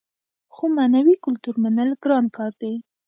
خو معنوي کلتور منل ګران کار دی.